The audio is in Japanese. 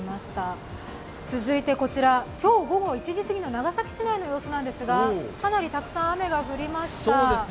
続いて、今日午後１時過ぎの長崎市内の様子ですが、かなりたくさん雨が降りました。